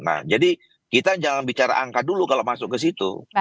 nah jadi kita jangan bicara angka dulu kalau masuk ke situ